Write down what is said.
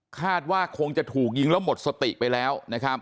คาดว่าคงจะถูกยิงแล้วหมดสติไปแล้ว